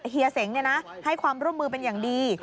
เหยียเส็งเนี่ยนะให้ความร่วมมือเป็นอย่างดี